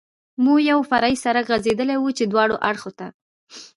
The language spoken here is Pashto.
مو یو فرعي سړک غځېدلی و، چې دواړو اړخو ته.